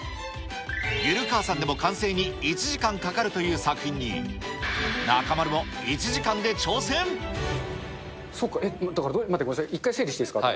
ゆるかわさんでも完成に１時間かかるという作品に、中丸も１時間そっか、えっ、ごめんなさい、１回整理していいですか？